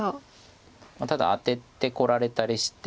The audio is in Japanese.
ただアテてこられたりして。